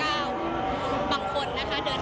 ตอนนี้เป็นครั้งหนึ่งครั้งหนึ่ง